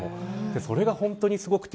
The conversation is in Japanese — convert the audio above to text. それが本当にすごくて。